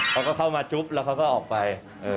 เขาก็เข้ามาจุ๊บแล้วเขาก็ออกไป